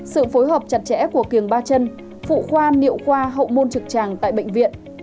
sự phối hợp chặt chẽ của kiềng ba chân phụ khoa nhiệu khoa hậu môn trực tràng tại bệnh viện